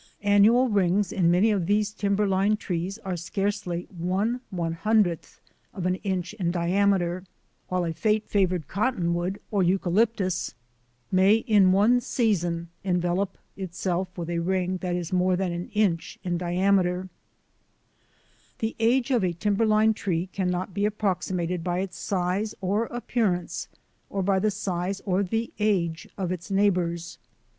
Annual rings in many of these timber line trees are scarcely 1 100 of an inch in diameter, 65 66 THE ADVENTURES OF A NATURE GUIDE while a fate favoured cottonwood or eucalyptus may in one season envelop itself with a ring that is more than an inch in diameter. The age of a timberline tree cannot be approxi mated by its size or appearance or by the size or the age of its neighbours.